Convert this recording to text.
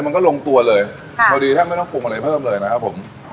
มันก็ลงตัวเลยค่ะพอดีแทบไม่ต้องปรุงอะไรเพิ่มเลยนะครับผม